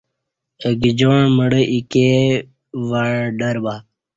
ماہ گجاعں مڑہ ایکیا وعں ڈربا